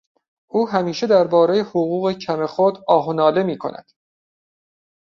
او همیشه دربارهی حقوق کم خود آه و ناله میکند.